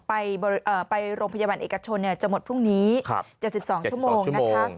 ไปโรงพยาบาลเอกชนจะหมดพรุ่งนี้๗๒ชั่วโมงนะคะ